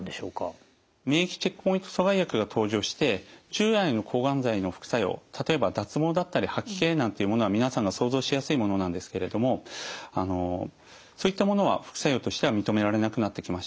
免疫チェックポイント阻害薬が登場して従来の抗がん剤の副作用例えば脱毛だったり吐き気なんていうものは皆さんが想像しやすいものなんですけれどもそういったものは副作用としては認められなくなってきました。